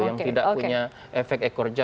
yang tidak punya efek ekor jas